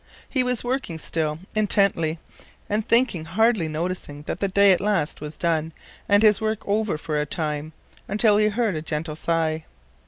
He was working still intently, and thinking, hardly noticing that the day at last was done and his work over for a time, until he heard her gentle sigh.